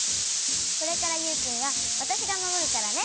これからユウくんはわたしがまもるからね。